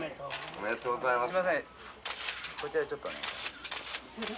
おめでとうございます。